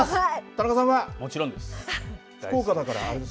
もちろんです。